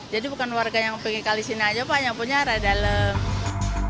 jadi bukan warga yang pengen kali sini aja yang punya arah dalam